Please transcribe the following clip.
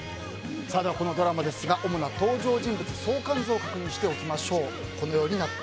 このドラマですが主な登場人物相関図を確認しておきましょう。